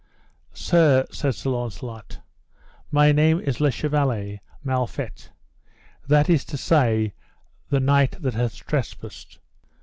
Sir, said Sir Launcelot, my name is Le Chevaler Mal Fet, that is to say the knight that hath trespassed.